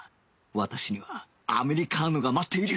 私にはアメリカーノが待っている！